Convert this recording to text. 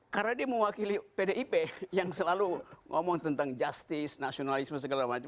karena dia mewakili pdip yang selalu ngomong tentang justice nasionalisme segala macam